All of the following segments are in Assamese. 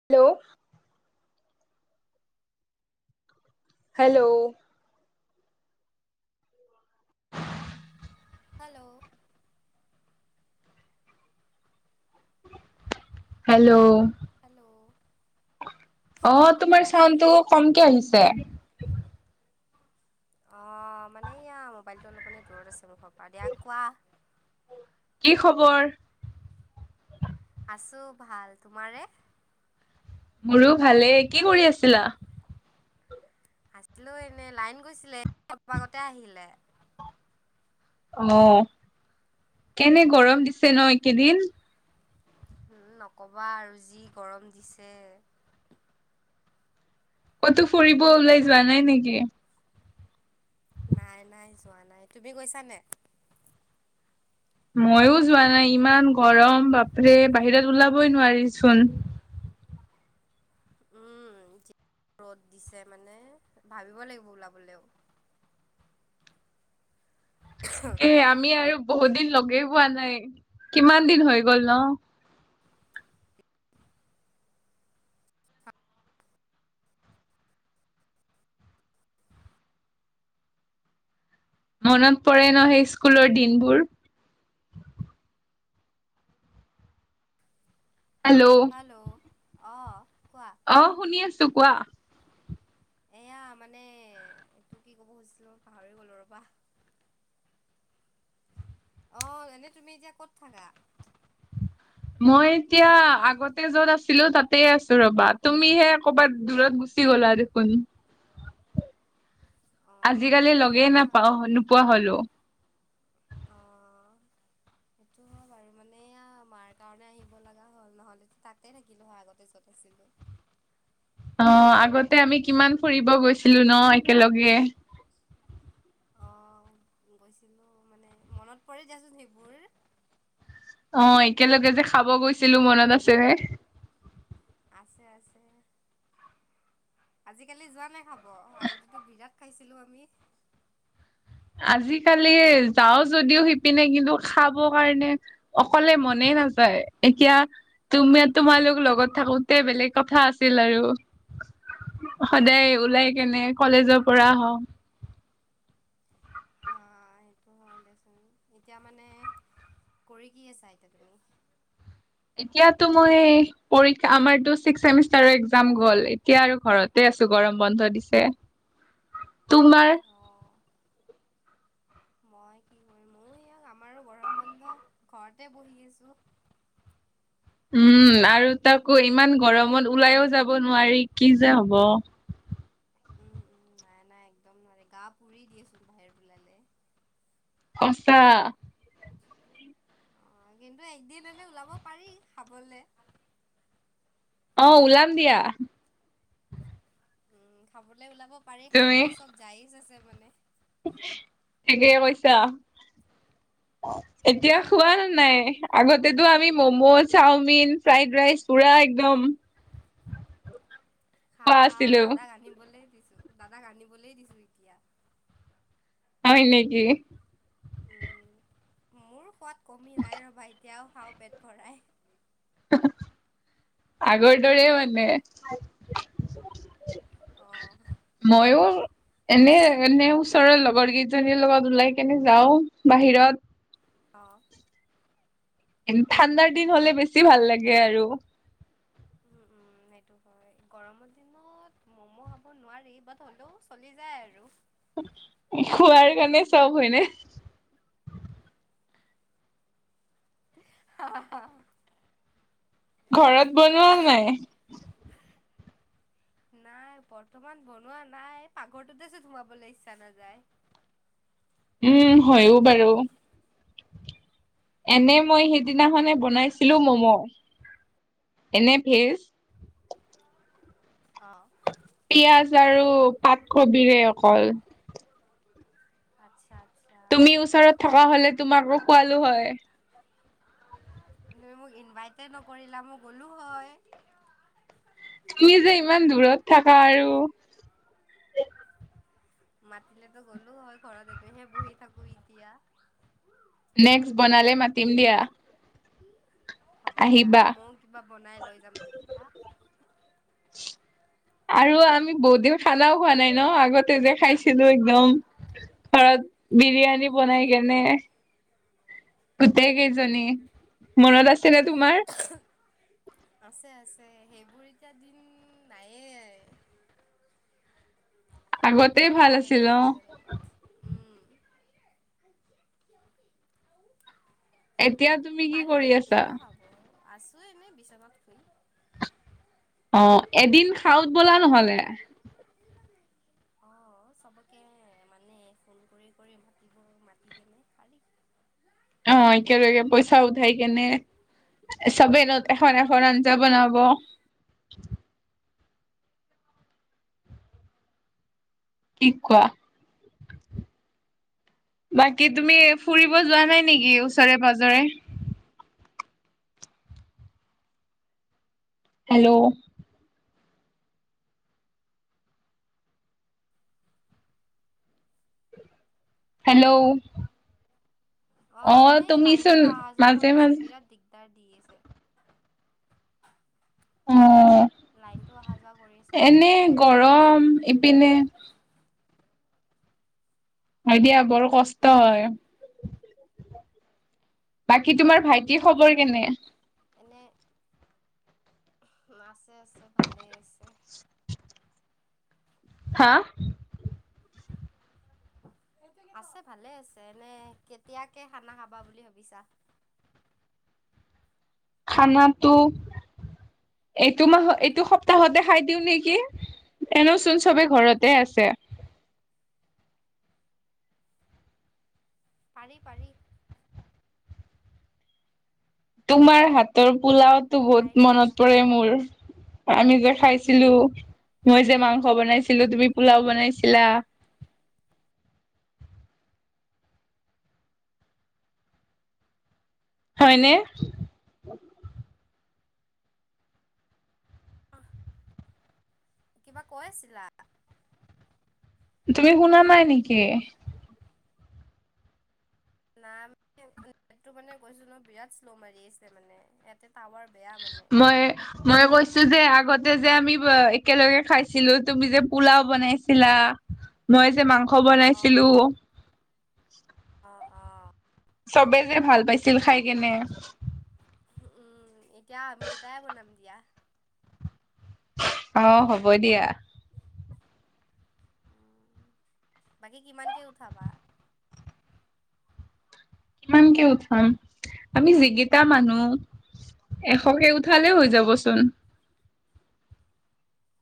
Hello. Hello. Hello. Hello. Hello অ শুনা তোমাৰ চাউণ্ডটো পাইছানে? কমকে আহিছে। অ মানে ইয়া মোবাইলটো অলপ মানে দূৰত আছে মোৰ ঘৰৰ পৰা দিয়া কোৱা। কি খবৰ। আছো ভাল তোমাৰে। মোৰো ভালেই কি কৰি আছিলা। আছিলো এনেই লাইন গৈছিলে অলপ আগতে আহিলে। অ কেনে গৰম দিছে ন এইকেইদিন। নক'বা আৰু যি গৰম দিছে। কতো ফুৰিব ওলাই যোৱা নাই নিকি। নাই নাই যোৱা নাই তুমি গৈছা নাই। মইও যোৱা নাই ইমান গৰম বাপৰে বাহিৰত ওলাবই নোৱাৰিচোন। [unintelligible] উম ৰ'দ দিছে মানে ভাবিব লাগিব ওলাবলে তাকে আমি আৰু বহুত দিন লগেই পোৱা নাই কিমান দিন হৈ গ'ল ন। মনত পৰে ন সেই স্কুলৰ দিনবোৰ। হেল্ল' অ। কোৱা। অ শুনি আছো কোৱা। এয়া মানে এইটো কি ক'ব খুজিছো পাহৰি গলো ৰবা। অ এনে তুমি এতিয়া ক'ত থাকা? মই এতিয়া আগতে য'ত আছিলো তাতে আছো ৰবা তুমিহে কবাত দূৰত গুচি গ'ল। গলা দেখোন অ' আজিকালি মানে এয়া লগেই নাপাওঁ নোপোৱা হলো। । [unintelligible] অ' সেইটো হয় বাৰু মানে। মাৰ কাৰণে আহিব লগা হ'ল নহলে তাতে থাকিলো হয় আগতে যত আছিলো। অ আগতে আমি কিমান ফুৰিব গৈছিলো ন একেলগে। অ গৈছিলো মানে মনত পৰি দেচোন সেইবোৰ। অ একেলগে যে খাব গৈছিলো মনত আছেনে। আছে আছে। আজিকালি যোৱা নাই খাব আগতেতো বিৰাট খাইছিলো আমি। আজিকালি যাও যদিও শিপিনে কিন্তু খাব কাৰণে অকলে মনে নাথে। নাযায় এতিয়া। তুমি তোমালোক লগত থাকোতে বেলেগ কথা আছিল আৰু। সদায় ওলাই কেনে কলেজৰ পৰা আহও। । [inaudible] নহয় দিয়াচোন এতিয়া মানে কৰি কি আছা এতিয়া তুমি। এতিয়া টো মই পৰীক্ষা আমাৰতো ছিক্স ছেমিষ্টাৰ ৰ এক্সাম গল এতিয়া আৰু ঘৰতে। ছো গৰম বন্ধ দিছে তোমাৰ। অ' মই কি কৰিম মই ইয়াক আমাৰো গৰম বন্ধ ঘৰতে বহি আছো। । [inaudible] উম আৰু তাকো ইমান গৰমত ওলাইও যাব নোৱাৰি কি যে হব।। [inaudible] উম উম নাই নাই একদম নোৱাৰাৰে গা পুৰি দিয়েচোন বাহিৰত ওলালে। সঁচা। আহ কিন্তু এদিন হলে ওলাব পাৰি খাবলৈ। অ ওলাম দিয়া। উম খাবলৈ ওলাব পাৰি খাবলৈ চব যায় আছে। মানে। একেই পইছা। এতিয়া খোৱা নাই আগতেতটো আমি ম'ম' চাওমিন ফ্ৰাইড ৰাইচ পুৰা। একদম। খোৱা খাও, খাও আছিলো দাদাক আনিবলে দিছো দাদাক আনিবলে দিছো এতিয়া। হয় নেকি? উম, মোৰ সোৱাদ কমি নাই ৰবা এতিয়াও খাওঁ পেট ভৰাই। আগৰ দৰে মানে। অ ময়ো এনে এনে ওচৰৰ লগৰ কেইজনীৰ লগত ওলাই কেনে যাও বাহিৰত। অঁ। ঠাণ্ডাৰ দিন হলে বেছি ভাল লাগে আৰু। উম [inaudible] উম, সেইটো হয় গৰমৰ দিনত ম'ম' খাব নোৱাৰি বাট হ'লেও চলি যায় আৰু। খোৱাৰ কাৰণে চব হয়নে? আহ। ঘৰত বনোৱা নাই? নাই বৰ্তমান বনোৱা নাই পাক ঘৰটো এ চো সোমাবলৈ ইচ্ছা নাযায়। উম, হয়ো বাৰু। এনে মই উম, সেইদিনাখে বনাইছিলো মম'। এনে ভেজ। অ। পিয়াজ আৰু পাতকবিৰে অকল। আচ্ছা আচ্ছা। তুমি ওচৰত থকা হলে তোমাকো খোৱালো হয়। তুমি মোক ইনভাইট নকৰিলা, মই গ'লো হয়। তুমি যে ইমান দূৰত থাকা আৰু। মাতিলেতো গ'লো হয়, ঘৰত এইটোহে বহি থাকো এতিয়া নেক্সট বনালে মতিম দিয়া। হ'ব দিয়া, আহিবা ময়ও কিবা বনাই লৈ যাম তেতিয়া। আৰু আমি বৌদেউ খানাও খোৱা নাই ন আগতে যে খাইছিলো একদম। ঘৰত বিৰিয়ানী অঁ বনাই কেনে। গোটেই কেইজনী। মনত আছে ন তোমাৰ? আছে, আছে সেইবোৰ এতিয়া দিন নাইয়ে। [inaudible] আগতে ভাল পিতা আছিল অ নিজম জগমত উম [unintelligible] [unintelligible] [inaudible] এতিয়া তুমি কি কৰি আছা? আছো এনেই বিচনাত শুই। অ, এদিন খাও ব'লা নহলে। অ', [inaudible] চবকে মানে ফুন কৰি কৰি মাতিব মাতি কেনে শাৰী। [unintelligible] অ, একেলগে পইচা উঠাই কেনে চবেই নো এখন এখন আঞ্জা বনাব। কি কোৱা? বাকী তুমি ফুৰিব যোৱা নাই নেকি ওচৰে-পাজৰে? হেল্ল'। হেল্ল'। অ, মানে তুমিচোন লাইনতটো অহা যোৱা মাজে কৰি আছে মাজে বিৰাট দিগদাৰ। দি আছে। [unintelligible] অ' লাইনতটো অহা যোৱা কৰি আছে মানে এনে দিগদাৰ দি গৰম আছে এই ইপিনে গৰমত। এতিয়াা বৰ কষ্ট উম, হয়। বাকী তোমাৰ উম, ভাইটি খবৰ তাকে কেনে? এনে আছে আছে ভালেই আছে, হা? আছে ভালে আছে এনে কেতিয়াকে খানা খাবা বুলি ভাবিছা? খানাটো। এইটো মাহত এইটো সপ্তাহতে খাই দিওঁ নেকি? এনচোন চবে ঘৰতে আছে। পাৰি পাৰি। তোমাৰ হাতৰ পোলাওতো খাই বহুত দিও মনত ব'লা পৰে মোৰ। আমি যে খাইছিলো। মই যে মাংস বনাইছিলো তুমি পোলাও বনাইছিলা। হয়নে? কিবা কৈ আছিলা। তুমি শুনা নাই নেকি? ন নেটটো মানে কৈছো ন বিৰাট শ্ল' মাৰি আছে মানে ইতে [unintelligible] মই মই কৈছো যে আগতে যে আমি একেলগে খাইছিলো, তুমি যে পোলাও বনাইছিলা, মই যে মাংস মাংস অ বনাইছিলো? অ অ চবে যে ভাল পাইছিল খাই কেনে উম এতিয়া আমি দুটাই বনাম। অ হ'ব দিয়া উ বাকী কিমানকে উঠাবা কিমানকে উঠাম আমি যিকেইটা মানুহ এশকে উঠালে হৈ যাবচোন।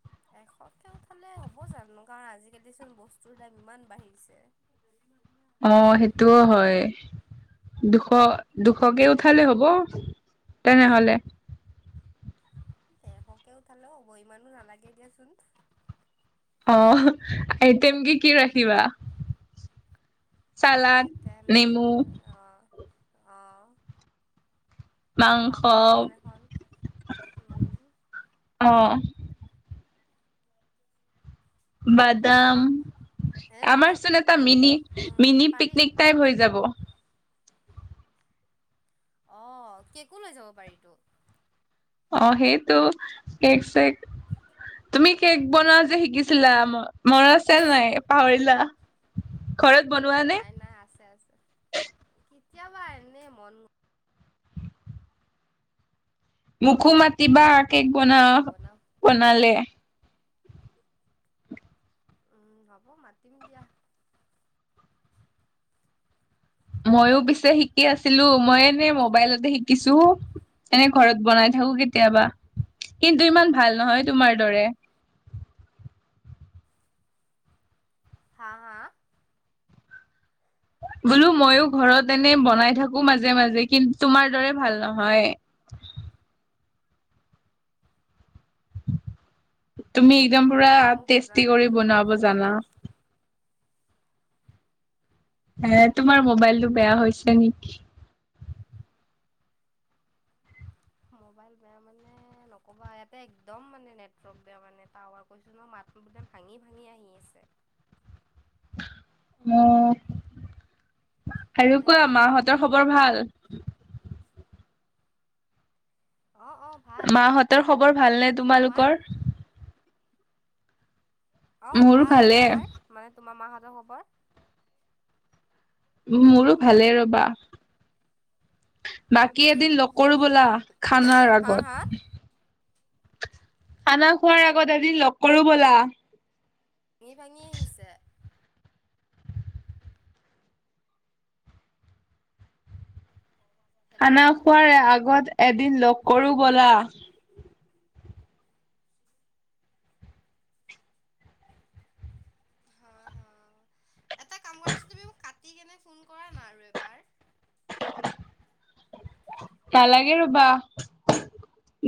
[unintelligible] ফটকে উঠালে হ'ব জানো কাৰণ আজিকালিচোন বস্তুৰ দাম ইমান বাঢ়িছে। অ সেইটোও হয়। দুশ দুশকে উঠালে হ'ব তেনেহলে ডেৰশকে উঠালো হ'ব ইমানো নালাগে দিয়াচোন আহ আইতেম কি কি ৰাখিবা। চালাড আইটেম নেমু তোমাৰ, অ মাংস পাপৰ এখন এখন অ বাদাম, এনে তোমাৰ আমাৰচোন এটা মিনি উম মিনি পাৰি পিকনিক টাইপ হৈ যাব। অ কেকো লৈ যাব পাৰি তো অ সেইটো কেক চেক তুমি কেক বনোৱা যে শিকিছিলা মনত আছে নাই পাহৰিলা। [unintelligible] [inaudible] নে নাই নাই আছে আছে কেতিয়াবা এনে মন মোকো মাতিবা কেক বনা এনে নবনাও বনালে। উম হ'ব মাতিম দিয়া। মইও পিছে শিকি আছিলো, মই এনে মোবাইলতে শিকিছো। এনে ঘৰত বনাই থাকো কেতিয়াবা কিন্তু অ ইমান ভাল নহয় তোমাৰ দৰে। [unintelligible] হা! হা! বোলো মইও ঘৰত এনে বনাই থাকো মাজে মাজে কিন্তু তোমাৰ দৰে ভাল নহয়। [unintelligible] তুমি একদম পুৰা মোক বুজা টেষ্টি নাই কৰি মানে অলপ বনাব ভালকে জানা কোৱা এ তোমাৰ মোবাইলটো বেয়া হৈছে নেকি। মবাইল বেয়া মানে নকবা ইয়াতে একদম মানে নেটৱৰ্ক বেয়া মানে টাৱাৰ কৈছো নহয় মাত বাদাম ভাঙি ভাঙি আহি আছে [unintelligible] অ আৰু তাতে কোৱা লাইনটোও মাহঁতৰ নাই খবৰ ভাল। অ অ ভাল মাহঁতৰ খবৰ ভালনে তোমাৰ তোমালোকৰ? অ মোৰো ভাল ভালে, তোমাৰ মানে তোমাৰ মাহঁতৰ খবৰ মোৰো ভালে উম ৰবা, বাকী এদিন লগকৰো ব'লা খানাৰ হা হা আগত খানা খোৱাৰ আগত এদিন লগ কৰো ব'লা। ভাঙি ভাঙি আহিছে। খানা হেল্ল' খোৱাৰে আগত এদিন লগ কৰোঁ বলা। হা হা [unintelligible] এটা কাম কৰাচোন তুমি কাটি কনে ফোন কৰা না আৰু এবাৰ নালাগে ৰবা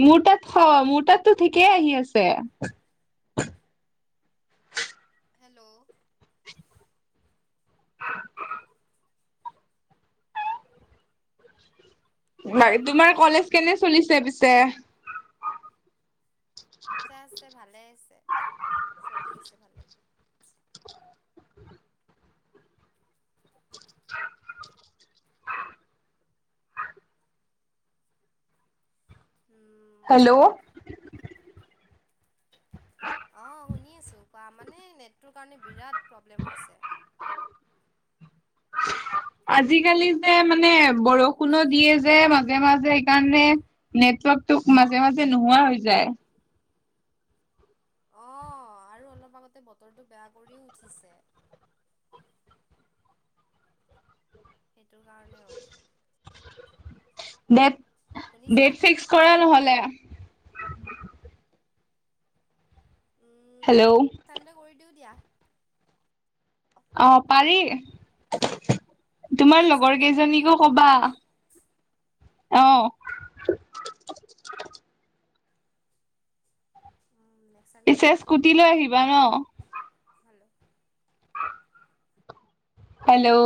মোৰ তাত থ মোৰ তাততো ঠিকেই আহি আছে [unintelligible] হেল্ল' হেল্ল' তোমাৰ কলেজ কেনে চলিছে পিছে আছে আছে ভালেই আছে চলি আছে ভালেই উম হেল্ল' অ শুনি আছো কোৱা মানে নেটটোৰ কাৰণে বিৰাট প্ৰব্লেম হৈছে আজিকালি যে মানে বৰষুণো বাকী দিয়ে যে মাজে মাজে কাৰণে নেটৱৰ্কটো মাজে মাজে নোহোৱা হৈ যায়। অ', আৰু অলপ আগতে বতৰটো বেয়া কৰিও উঠিছে। [unintelligible] সেইটোৰ কাৰণেও। ডেট, শুনিছা ডেট ফিক্স কৰা নহ'লে। হেল্ল' উম, কালিলৈ কৰি দিও দিয়া। অ পাৰি তোমাৰ নেক্সট লগৰ চানডে কৰি দিওঁ কেইজনীকো কবা। অ'। নেক্সট চানডে পিছে কৰি দিওঁ স্কুটি লৈ আহিবা ন? Hello hello.